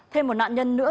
thêm một nạn nhân nữa